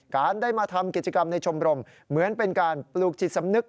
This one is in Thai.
การได้มาทำกิจกรรมในชมรมเหมือนเป็นการปลูกจิตสำนึก